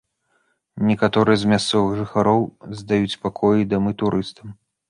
Некаторыя з мясцовых жыхароў здаюць пакоі і дамы турыстам.